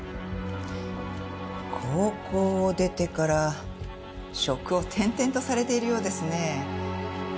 高校を出てから職を転々とされているようですね。